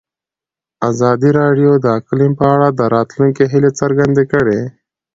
ازادي راډیو د اقلیم په اړه د راتلونکي هیلې څرګندې کړې.